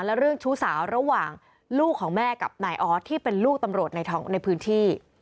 และเรื่องชู้สาวระหว่างลูกของแม่กับนายออสที่เป็นลูกตำรวจในพื้นที่